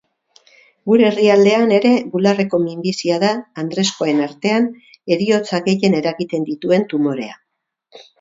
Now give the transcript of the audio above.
Gure herrialdean ere bularreko minbizia da andrezkoen artean heriotza gehien eragiten dituen tumorea.